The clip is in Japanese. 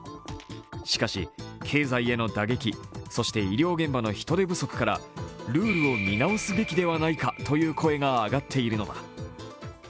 しかし、経済への打撃、そして医療現場の人手不足からルールを見直すべきではないかという声が上がっているのだ。